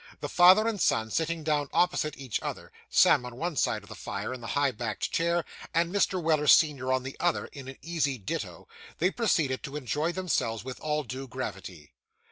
The father and son sitting down opposite each other; Sam on one side of the fire, in the high backed chair, and Mr. Weller, senior, on the other, in an easy ditto, they proceeded to enjoy themselves with all due gravity.